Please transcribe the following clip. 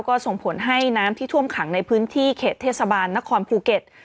ก็ส่งผลให้น้ำที่ท่วมขังในพื้นที่เขตเทศบาลนครภูเก็ต